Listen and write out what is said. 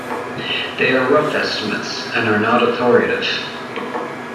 They are rough estimates and are not authoritative.